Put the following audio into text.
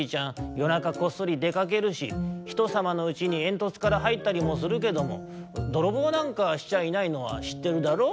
なかこっそりでかけるしひとさまのうちにえんとつからはいったりもするけどもどろぼうなんかしちゃいないのはしってるだろう？